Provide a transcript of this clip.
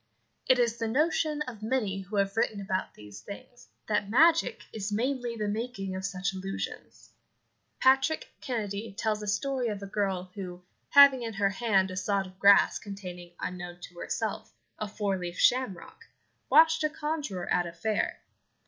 It is the notion of many who have written about these things that magic is mainly the making of such illusions. Patrick Kennedy tells a story of a girl who, having in her hand a sod of grass containing, unknown to herself, a four leaved shamrock, watched a conjurer at a fair.